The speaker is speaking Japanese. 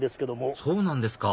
そうなんですか